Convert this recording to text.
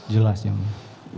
jelas yang mulia